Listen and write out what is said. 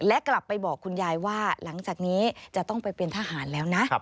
และกลับไปบอกคุณยายว่าหลังจากนี้จะต้องไปเป็นทหารแล้วนะ